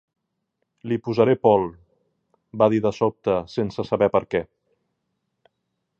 "Li posaré Paul", va dir de sobte sense saber per què.